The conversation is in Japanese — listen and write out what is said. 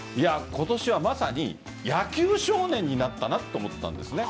今年はまさに野球少年になったなと思ったんです。